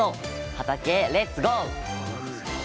畑へレッツゴー！